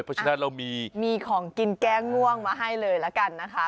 เพราะฉะนั้นเรามีของกินแก้ง่วงมาให้เลยละกันนะคะ